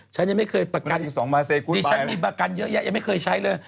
ฉันยังไม่เคยประกันดิฉันมีประกันเยอะแยะยังไม่เคยใช้เลย